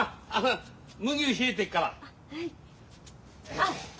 あっ！